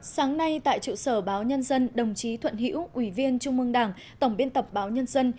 sáng nay tại trụ sở báo nhân dân đồng chí thuận hữu ủy viên trung mương đảng tổng biên tập báo nhân dân